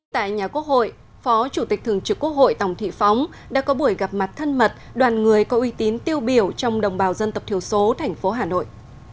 tại nhà quốc hội phó chủ tịch thường trực quốc hội tổng thị phóng đã có buổi gặp mặt thân mật đoàn người có uy tín tiêu biểu trong đồng bào dân tộc thiểu số thành phố hà nội